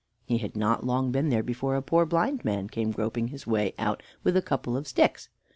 He had not long been there before a poor blind man came groping his way out with a couple of sticks.